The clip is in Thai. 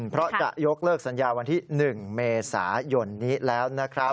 เพราะจะยกเลิกสัญญาวันที่๑เมษายนนี้แล้วนะครับ